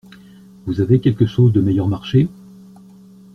Vous avez quelque chose de meilleur marché ?